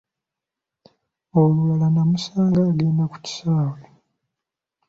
Olulala nnamusanga agenda ku kisaawe.